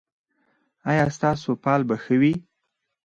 ایا ستاسو فال به ښه وي؟